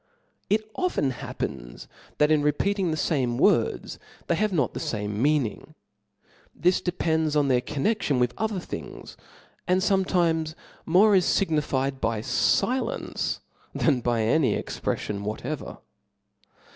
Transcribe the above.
It often happens that in repeating the fame words, they have not the fame meaning; thi$ , depends on their connection with other things ; and fometimes more is fignified by filence than by any expreflion whatever.